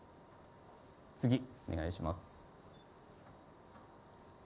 次、お願いします。